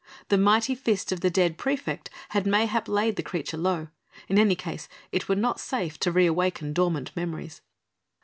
The mighty fist of the dead praefect had mayhap laid the creature low; in any case it were not safe to re awaken dormant memories.